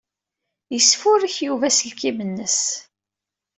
Yesfurek Yuba aselkim-nnes.